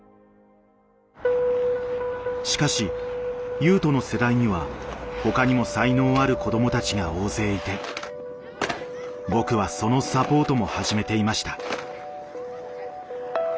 しかし雄斗の世代には他にも才能ある子どもたちが大勢いて僕はそのサポートも始めていました。